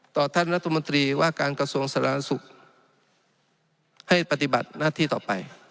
ท่านรัฐมนตรีว่าการกระทรวงสาธารณสุขให้ปฏิบัติหน้าที่ต่อไป